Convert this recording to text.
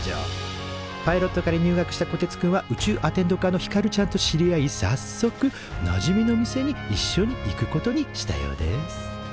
パイロット科に入学したこてつくんは宇宙アテンド科のひかるちゃんと知り合いさっそくなじみの店にいっしょに行くことにしたようです